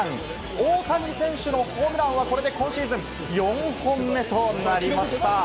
大谷選手のホームランはこれで今シーズン４本目となりました。